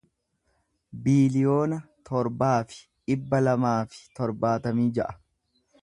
biiliyoona torbaa fi dhibba lamaa fi torbaatamii ja'a